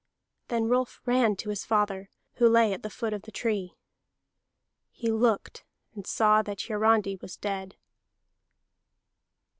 Then Rolf ran to his father, who lay at the foot of the tree. He looked, and saw that Hiarandi was dead.